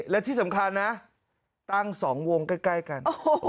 และที่สำคัญนะตั้ง๒วงใกล้กัน